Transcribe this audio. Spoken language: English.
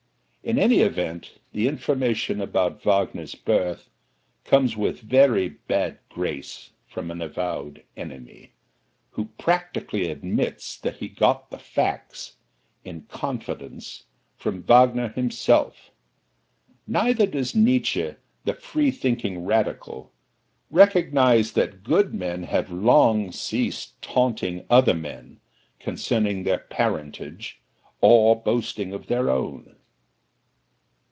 In any event, the information about Wagner's birth comes with very bad grace from an avowed enemy, who practically admits that he got the facts, in confidence, from Wagner himself. Neither does Nietzsche, the freethinking radical, recognize that good men have long ceased taunting other men concerning their parentage, or boasting of their own.